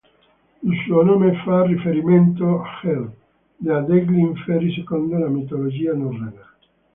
Il suo nome fa riferimento a Hel, dea degli inferi secondo la mitologia norrena.